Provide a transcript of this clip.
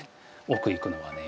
奥行くのがね